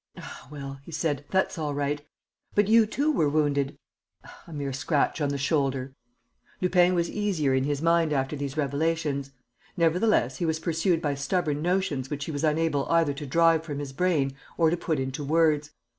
"Ah, well," he said, "that's all right!... But you too were wounded...." "A mere scratch on the shoulder." Lupin was easier in his mind after these revelations. Nevertheless, he was pursued by stubborn notions which he was unable either to drive from his brain or to put into words.